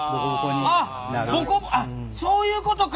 あっボコそういうことか！